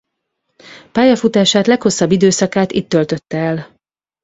Pályafutását leghosszabb időszakát itt töltötte el.